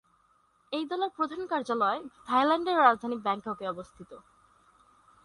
এই দলের প্রধান কার্যালয় থাইল্যান্ডের রাজধানী ব্যাংককে অবস্থিত।